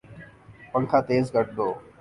پنکھا تیز کردو